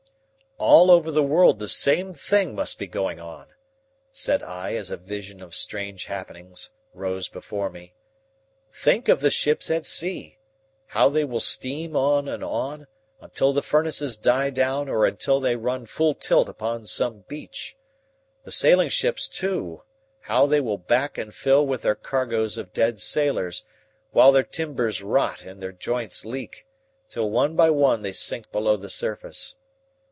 "All over the world the same thing must be going on," said I as a vision of strange happenings rose before me. "Think of the ships at sea how they will steam on and on, until the furnaces die down or until they run full tilt upon some beach. The sailing ships too how they will back and fill with their cargoes of dead sailors, while their timbers rot and their joints leak, till one by one they sink below the surface.